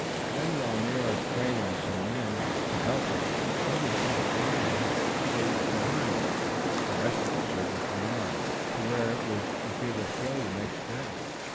Then, while Nero's trainer and some men to help him hunt for the lion stayed behind, the rest of the circus went on to where it was to give a show the next day.